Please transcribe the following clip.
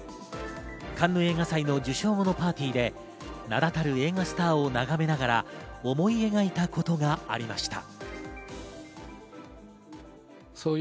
カンヌ映画祭の受賞後のパーティーで名だたる映画スターを眺めながら思い描いたことがありました。